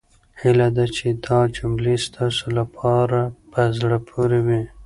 هيله ده چې دا جملې ستاسو لپاره په زړه پورې وي.